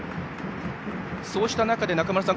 そうした中で、中村さん